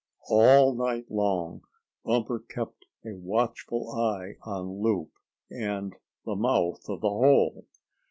All night long Bumper kept a watchful eye on Loup and the mouth of the hole.